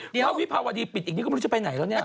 ถ้าวิภาวดีปิดอีกนี่ก็ไม่รู้จะไปไหนแล้วเนี่ย